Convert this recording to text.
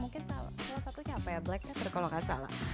mungkin salah satunya apa ya black kalau enggak salah